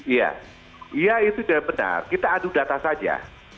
iya itu tidak benar kita adu data saja